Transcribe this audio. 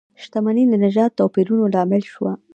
شتمنۍ د نژادي توپیرونو لامل شوه.